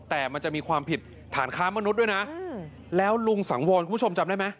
แต่มันจะมีความผิดฐานค้ามนุษย์ด้วยนะแล้วลุงสังวรคุณผู้ชมจำได้ไหม